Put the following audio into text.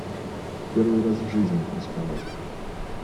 Первый раз в жизни проспала.